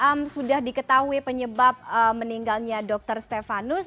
apakah sudah diketahui penyebab meninggalnya dokter stefanus